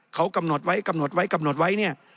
เขากำหนดไว้กำหนดไว้กำหนดไว้เนี่ย